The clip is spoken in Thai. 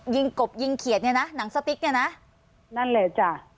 กบยิงเขียดเนี่ยนะหนังสติ๊กเนี่ยนะนั่นแหละจ้ะ